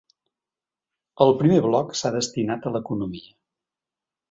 El primer bloc s’ha destinat a l’economia.